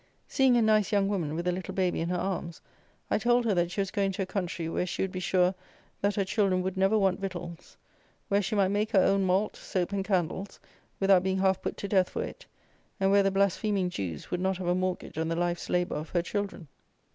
Seeing a nice young woman, with a little baby in her arms, I told her that she was going to a country where she would be sure that her children would never want victuals; where she might make her own malt, soap, and candles without being half put to death for it, and where the blaspheming Jews would not have a mortgage on the life's labour of her children.